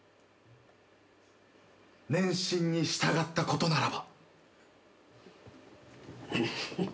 ネンシンに従ったことならば。